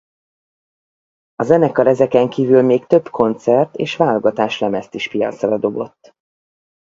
A zenekar ezeken kívül még több koncert- és válogatáslemezt is piacra dobott.